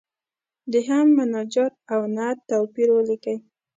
د حمد، مناجات او نعت توپیر ولیکئ.